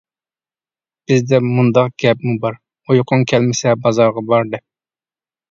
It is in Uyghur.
بىزدە مۇنداق گەپمۇ بار: «ئۇيقۇڭ كەلمىسە بازارغا بار» دەپ.